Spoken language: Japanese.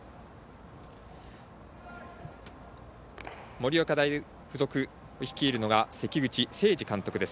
盛岡大付属を率いるのが関口清治監督です。